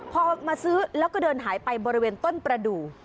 พอมาซื้อแล้วก็เดินหายไปบริเวณต้นประดูก